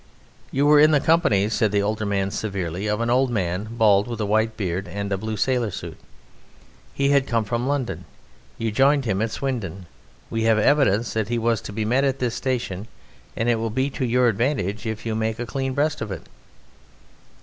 "You were in the company," said the older man severely, "of an old man, bald, with a white beard and a blue sailor suit. He had come from London; you joined him at Swindon. We have evidence that he was to be met at this station and it will be to your advantage if you make a clean breast of it."